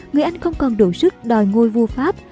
người anh không còn đủ sức đòi ngôi vua pháp